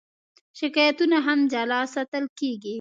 شکایتونه هم جلا ساتل کېږي.